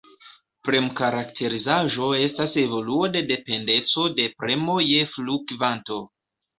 Prem-karakterizaĵo estas evoluo de dependeco de premo je flu-kvanto.